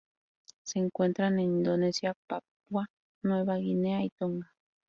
Se encuentran en Indonesia, Papúa Nueva Guinea y Tonga.